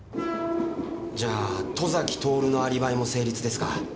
じゃあ外崎徹のアリバイも成立ですか。